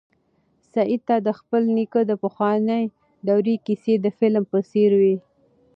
سعید ته د خپل نیکه د پخوانۍ دورې کیسې د فلم په څېر وې.